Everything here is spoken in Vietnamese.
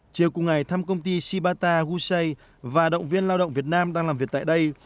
chiều cùng ngày thăm công ty sibata guse và động viên lao động việt nam đang làm việc tại đây